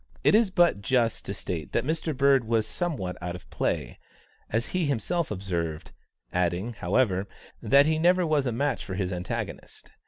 It is but just to state that Mr. Bird was somewhat out of play, as he himself observed; adding, however, that he never was a match for his antagonist.